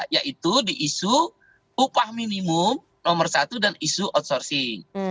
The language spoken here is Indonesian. yaitu di isu upah minimum nomor satu dan isu outsourcing